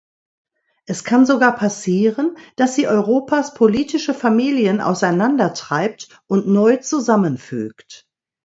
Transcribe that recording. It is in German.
Es kann sogar passieren, dass sie Europas politische Familien auseinander treibt und neu zusammenfügt.